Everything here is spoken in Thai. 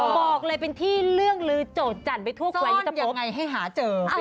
บอกเลยเป็นที่เรื่องลือโจทย์จันทร์ไปทั่วควายที่ตะปกซ่อนอย่างไรให้หาเจอ